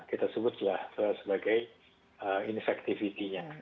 kita sebutlah sebagai infectivity